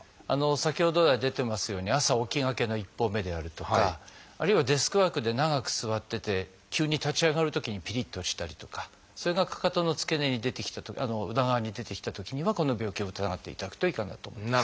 先ほど来出てますように朝起きがけの一歩目であるとかあるいはデスクワークで長く座ってて急に立ち上がるときにピリッとしたりとかそれがかかとの付け根に裏側に出てきたときにはこの病気を疑っていただくといいかなと思います。